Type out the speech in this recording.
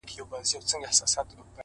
o د سپینتمان د سردونو د یسنا لوري؛